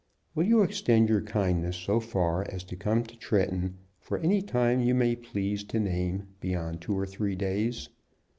Will you extend your kindness so far as to come to Tretton for any time you may please to name beyond two or three days?